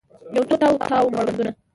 یوڅو تاو، تاو مړوندونه